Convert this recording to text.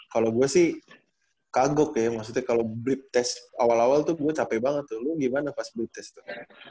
kalau gue sih kaguk ya maksudnya kalau blip test awal awal tuh gue capek banget tuh lu gimana pas beli test tuh